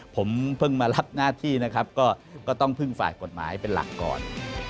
ผมเพิ่งมรับงานที่นะครับก็ต้องพึ่งฝ่ายเป็นหลักก่อน